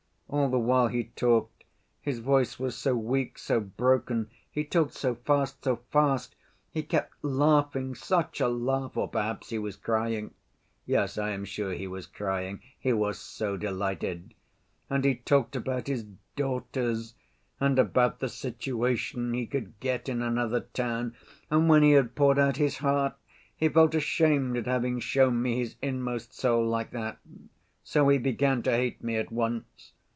All the while he talked, his voice was so weak, so broken, he talked so fast, so fast, he kept laughing such a laugh, or perhaps he was crying—yes, I am sure he was crying, he was so delighted—and he talked about his daughters—and about the situation he could get in another town.... And when he had poured out his heart, he felt ashamed at having shown me his inmost soul like that. So he began to hate me at once.